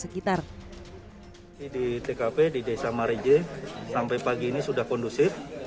di tkp di desa marije sampai pagi ini sudah kondusif